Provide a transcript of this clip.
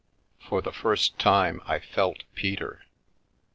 For the first time I felt Peter.